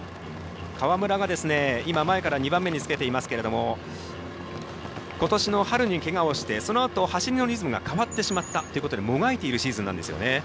河村が前から２番目につけていますがことしの春にけがをしてそのあと、走りのリズムが変わってしまったということでもがいているシーズンなんですよね。